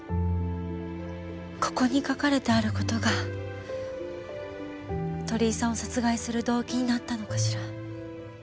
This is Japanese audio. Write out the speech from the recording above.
ここに書かれてある事が鳥居さんを殺害する動機になったのかしら？